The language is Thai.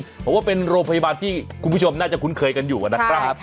เพราะว่าเป็นโรงพยาบาลที่คุณผู้ชมน่าจะคุ้นเคยกันอยู่นะครับ